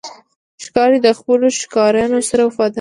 ښکاري د خپلو ښکارونو سره وفادار دی.